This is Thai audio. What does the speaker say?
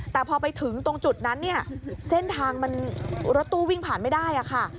แต่พอไปถึงตรงจุดนั้นเนี่ยเส้นทางมันรถตู้วิ่งผ่านไม่ได้ค่ะ